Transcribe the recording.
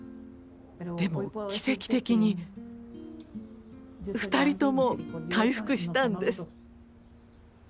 でも奇跡的に２人とも回復したんです。